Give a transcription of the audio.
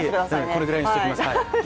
このぐらいにしておきます。